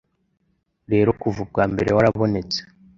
Rero, kuva ubwambere, warabonetse